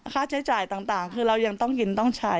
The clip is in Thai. ค่าใช้จ่ายต่างคือเรายังต้องกินต้องใช้